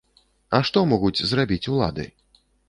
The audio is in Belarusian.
А што могуць зрабіць улады?